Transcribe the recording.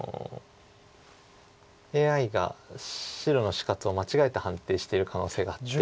ＡＩが白の死活を間違えた判定してる可能性があって。